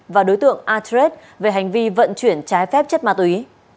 và đối tượng atreet về hành vi vận chuyển trái phép chất ma túy